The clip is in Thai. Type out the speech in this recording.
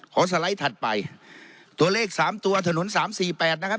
สไลด์ถัดไปตัวเลขสามตัวถนนสามสี่แปดนะครับ